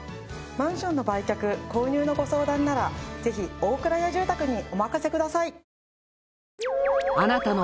マンションの売却購入のご相談ならぜひオークラヤ住宅にお任せください！